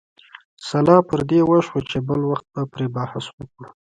سلا پر دې وشوه چې بل وخت به پرې بحث وکړو.